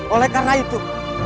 oleh karena itu